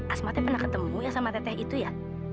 asmatnya pernah ketemu ya sama teteh itu ya